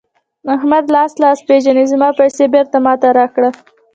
احمده؛ لاس لاس پېژني ـ زما پيسې بېرته ما ته راکړه.